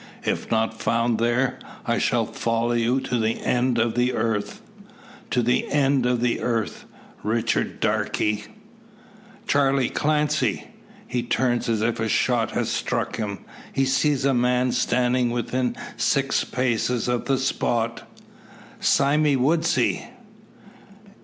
If not found there, I shall follow you to the end of the earth to the end of the earth, Richard Darke!" "Charley Clancy!" He turns as if a shot had struck him. He sees a man standing within six paces of the spot. "Sime Woodsy!"